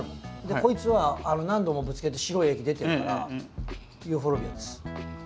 こいつは何度もぶつけて白い液出てるからユーフォルビアです。